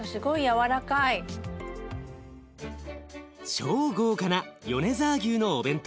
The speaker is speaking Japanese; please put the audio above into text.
超豪華な米沢牛のお弁当。